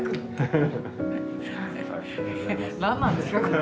何なんですかこれ？